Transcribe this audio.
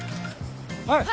はい！